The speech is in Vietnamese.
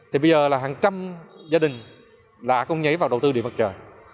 thì bây giờ là hàng trăm gia đình đã không nhảy vào đầu tư điện mặt trời